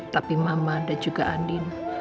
tapi mama dan juga andin